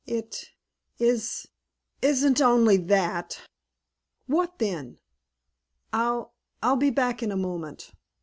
"It is is n't only that!" "What, then?" "I I'll be back in a moment."